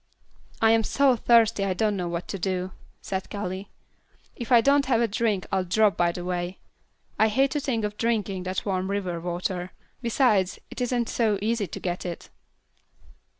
"I am so thirsty I don't know what to do," said Callie. "If I don't have a drink I'll drop by the way. I hate to think of drinking that warm river water; besides, it isn't so easy to get it."